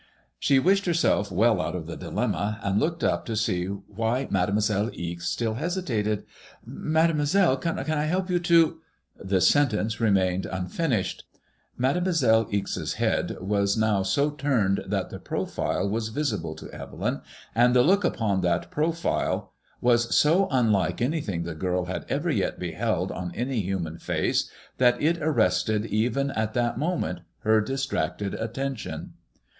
She wished herself well out of the dilemma, and looked up to see why Mademoiselle Ixe still hesitated. '^Mademoiselle, can I help you to ?" The sentence remained un finished. Mademoiselle Ixe's head was now so turned that the profile was visible to Evelyn, and the look upon that profile was so unlike anything the girl had ever yet beheld on any human face, that it arrested even at that moment her distracted attention.